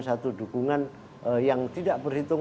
satu dukungan yang tidak berhitung